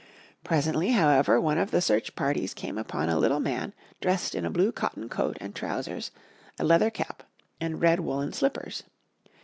Presently, however, one of the search parties came upon a little man dressed in blue cotton coat and trousers, a leather cap and red woolen slippers.